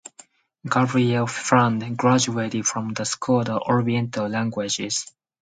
Gabriel Ferrand graduated from the School of Oriental Languages.